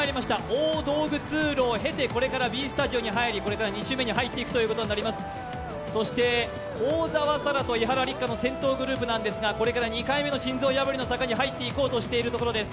大道具通路を経てＢスタジオに入り２周目に入っていくことになります幸澤沙良と伊原六花の先頭グループなんですがこれから２回目の心臓破りの坂に入っていこうとしているところです。